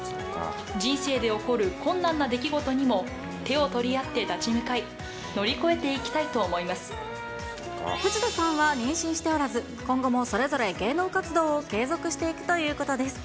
人生で起こる困難な出来事にも手を取り合って立ち向かい、乗り越藤田さんは妊娠しておらず、今後もそれぞれ芸能活動を継続していくということです。